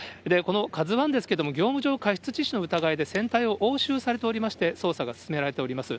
このＫＡＺＵＩですけれども、業務上過失致死の疑いで船体を押収されておりまして、捜査が進められております。